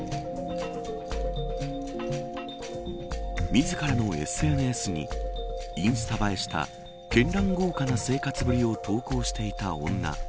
自らのＳＮＳにインスタ映えした絢爛豪華な生活ぶりを投稿していた女。